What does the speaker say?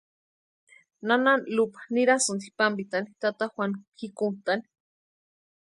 Nana Lupa nirasïnti pampitani tata Juanu pʼikuntani.